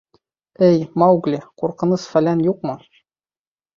— Эй, Маугли, ҡурҡыныс-фәлән юҡмы?